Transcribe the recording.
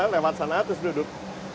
lewat sana terus duduk